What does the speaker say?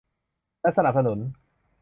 และสนับสนุน